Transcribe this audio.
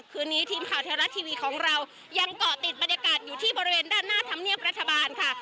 คืนนี้ทีมข่าวไทยรัฐทีวีของเรายังเกาะติดบรรยากาศอยู่ที่บริเวณด้านหน้าธรรมเนียบรัฐบาลค่ะ